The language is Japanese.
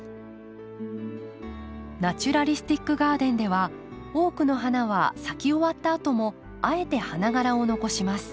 ナチュラリスティック・ガーデンでは多くの花は咲き終わったあともあえて花がらを残します。